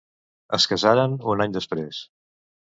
Es casaren un any després.